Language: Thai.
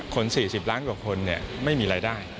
๔๐ล้านกว่าคนไม่มีรายได้